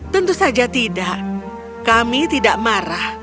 tentu saja tidak kami tidak marah